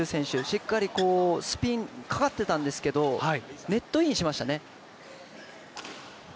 しっかりスピンかかってたんですけど、ネットインしましたね。